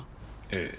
ええ。